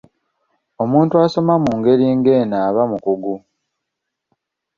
Omuntu asoma mu ngeri ng'eno aba mukugu.